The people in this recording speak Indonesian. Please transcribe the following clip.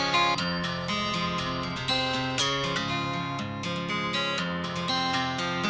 tapi ketika menentukan yang di hati umat